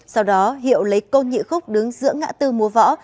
sau đó hiệu lấy côn nhị khúc đứng giữa ngã tư múa võ